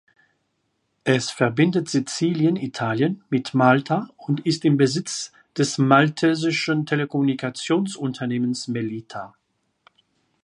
Es verbindet Sizilien (Italien) mit Malta und ist im Besitz des maltesischen Telekommunikationsunternehmens Melita.